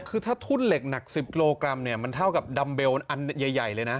คือถ้าทุ่นเหล็กหนัก๑๐กิโลกรัมเนี่ยมันเท่ากับดัมเบลอันใหญ่เลยนะ